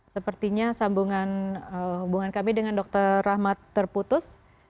sepertinya sambungan hubungan kami dengan dr rahmat terputus